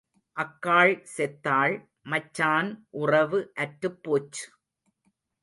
அக்காள் செத்தாள், மச்சான் உறவு அற்றுப் போச்சு.